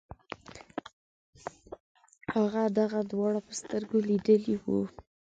هغه دغه دواړه په سترګو لیدلي وو.